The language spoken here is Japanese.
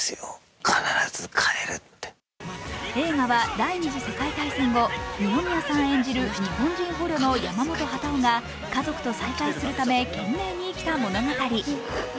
映画は第二次世界大戦後、二宮さん演じる日本人捕虜の山本幡男が家族と再会するため懸命に生きた物語。